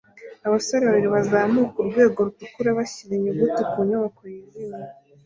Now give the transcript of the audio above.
Abasore babiri bazamuka urwego rutukura bashyira inyuguti ku nyubako yijimye